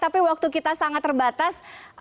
tapi waktu kita sangat terbatas